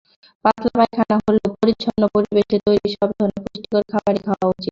পাতলা পায়খানা হলেও পরিচ্ছন্ন পরিবেশে তৈরি সব ধরনের পুষ্টিকর খাবারই খাওয়া উচিত।